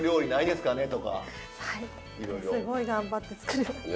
すごい頑張って作りました。